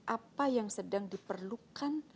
apa yang sedang diperlukan masyarakat saat ini dan kita